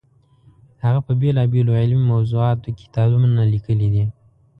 هغه په بېلابېلو علمي موضوعاتو کې کتابونه لیکلي دي.